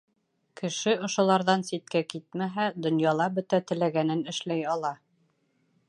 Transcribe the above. Кеше ошоларҙан ситкә китмәһә, донъяла бөтә теләгәнен эшләй ала.